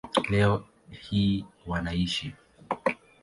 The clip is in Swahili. Leo hii wanaishi